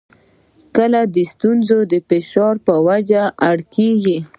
کله د ستونزو د فشار په وجه اړ کېږي.